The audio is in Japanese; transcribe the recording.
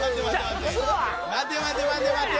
待て待て待て待て！